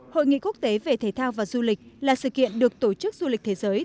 hội nghị quốc tế về thể thao và du lịch là sự kiện được tổ chức du lịch thế giới